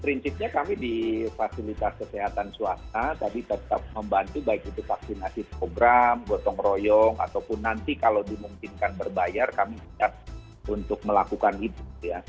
prinsipnya kami di fasilitas kesehatan swasta tadi tetap membantu baik itu vaksinasi program gotong royong ataupun nanti kalau dimungkinkan berbayar kami siap untuk melakukan itu ya